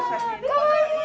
かわいい！